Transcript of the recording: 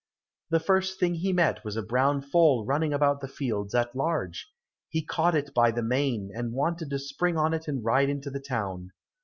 The first thing he met was a brown foal running about the fields at large. He caught it by the mane, and wanted to spring on it and ride into the town.